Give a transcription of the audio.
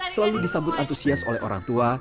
selalu disambut antusias oleh orang tua